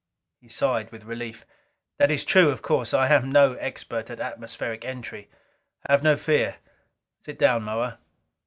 He sighed with relief. "That is true, of course. I am no expert at atmospheric entry." "Have no fear. Sit down, Moa."